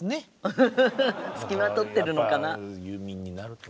フフフ付きまとってるのかな。